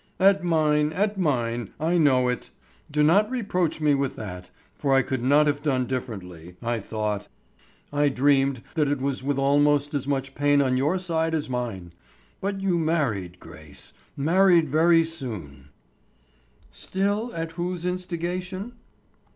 "At mine, at mine, I know it. Do not reproach me with that, for I could not have done differently.—I thought, I dreamed that it was with almost as much pain on your side as mine. But you married, Grace, married very soon." "Still at whose instigation?"